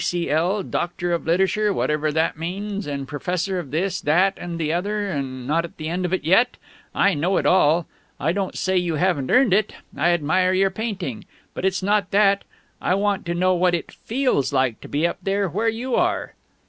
D.C.L., Doctor of Literature, whatever that means, and Professor of this, that, and the other, and not at the end of it yet. I know all that. I don't say you haven't earned it; I admire your painting; but it's not that. I want to know what it feels like to be up there where you are."